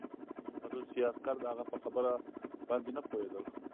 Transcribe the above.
روسي عسکر د هغه په خبره باندې نه پوهېدل